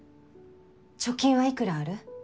貯金はいくらある？